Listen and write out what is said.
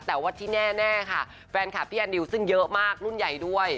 แต่ว่าที่แน่ค่ะแฟนคลับพี่แอนดิวซึ่งเยอะมากรุ่นใหญ่ด้วย